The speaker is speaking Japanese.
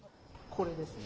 これですね。